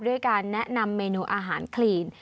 ด้วยการแนะนำเมนูอาหารคลีน